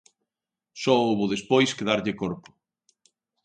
Só houbo despois que darlle corpo.